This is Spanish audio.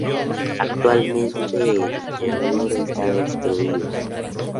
Actualmente el interior está destruido.